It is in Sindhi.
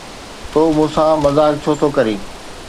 تون مون سان مذاق ڇو ٿو ڪرين؟